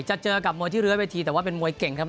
จะเจอกับมวยที่เลื้อยเวทีแต่ว่าเป็นมวยเก่งครับ